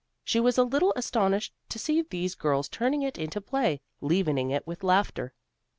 She was a little astonished to see these girls turning it into play, leavening it with laughter.